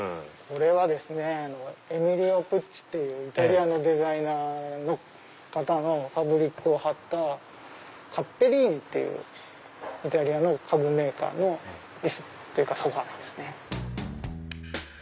これはですねエミリオ・プッチっていうイタリアのデザイナーの方のパブリックを張ったカッペリーニっていうイタリアの家具メーカーのソファなんです。